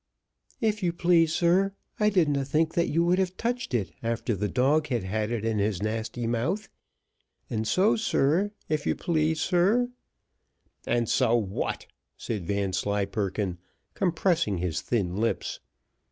"If you please, sir, I didn't a think that you would have touched it after the dog had had it in his nasty mouth; and so, sir if you please, sir " "And so what?" said Vanslyperken, compressing his thin lips.